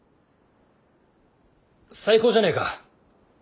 最高じゃねえか。